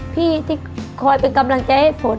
พี่ที่คอยเป็นกำลังใจให้ฝน